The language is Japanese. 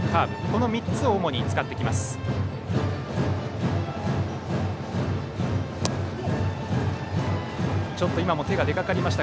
この３つを主に使ってきます。